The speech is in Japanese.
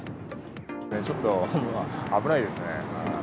ちょっと危ないですね。